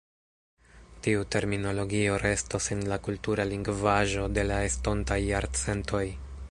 Tiu terminologio restos en la kultura lingvaĵo de la estontaj jarcentoj.